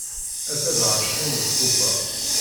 Ass-a d ɛecrin deg Tubeṛ.